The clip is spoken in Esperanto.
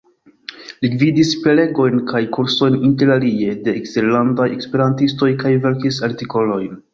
Li gvidis prelegojn kaj kursojn, interalie de eksterlandaj esperantistoj, kaj verkis artikolojn.